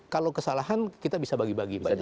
kalau kesalahan kita bisa bagi bagi